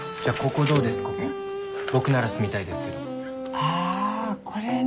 あこれね。